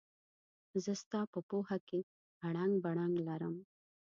زه ستا په پوهه کې اړنګ بړنګ لرم.